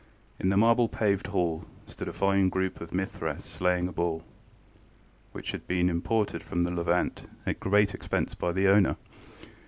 In the marble paved hall stood a fine group of Mithras slaying a bull, which had been imported from the Levant at great expense by the owner.